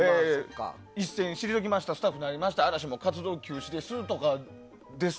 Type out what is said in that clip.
一線を退きましてスタッフになりましたし嵐も活動休止です、とか。